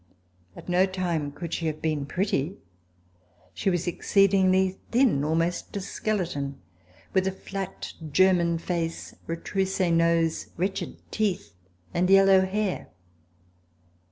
At no time could she have been pretty. She was exceedingly thin, almost a skeleton, with a flat German face, retrousse nose, wretched teeth and yel low hair.